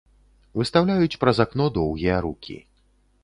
Выстаўляюць праз акно доўгія рукі.